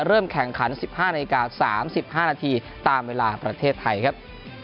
เริ่มแข่งขัน๑๕นาฬิกา๓๕นาทีตามเวลาประเทศไทยครับ